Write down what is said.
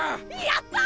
やった！